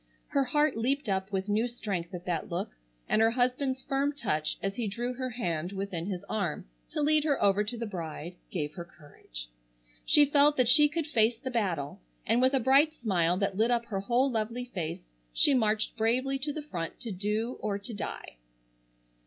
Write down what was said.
Her heart leaped up with new strength at that look, and her husband's firm touch as he drew her hand within his arm to lead her over to the bride gave her courage. She felt that she could face the battle, and with a bright smile that lit up her whole lovely face she marched bravely to the front to do or to die.